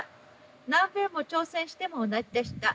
何べんも挑戦しても同じでした。